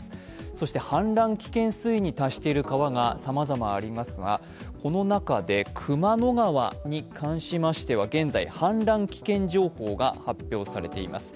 そして氾濫危険水位に達している川がさまざまありますがこの中で熊野川に関しましては現在氾濫危険情報が発表されています。